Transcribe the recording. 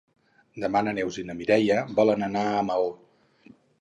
Demà na Neus i na Mireia volen anar a Maó.